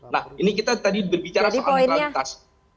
nah ini kita tadi berbicara soal netralitas